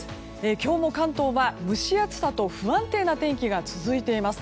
今日も関東は蒸し暑さと不安定な天気が続いています。